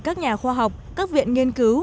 các nhà khoa học các viện nghiên cứu